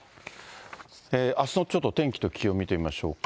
あすのちょっと、天気と気温見てみましょうか。